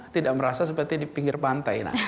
tidak merasa seperti di pinggir pantai